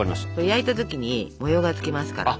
焼いた時に模様がつきますから。